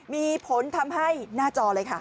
มีผลทำให้หน้าจอเลยค่ะ